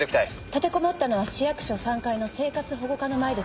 立てこもったのは市役所３階の生活保護課の前です。